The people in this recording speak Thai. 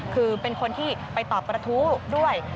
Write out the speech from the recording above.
คือเป็นคนที่ไปตอบกระทู้ด้วย